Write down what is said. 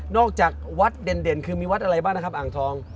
จากวัดเด่นคือมีวัดอะไรบ้างนะครับอ่างทอง